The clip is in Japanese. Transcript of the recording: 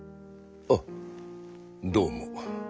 あっどうも。